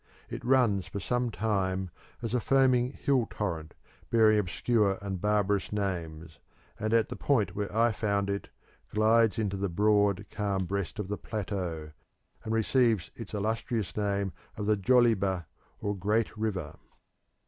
It runs for some time as a foaming hill torrent bearing obscure and barbarous names, and at the point where I found it glides into the broad, calm breast of the plateau, and receives its illustrious name of the Joliba, or Great River.